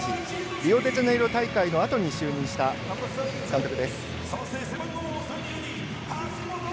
リオデジャネイロ大会のあとに就任した監督です。